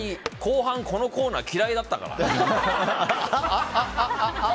後半このコーナー嫌いだったから。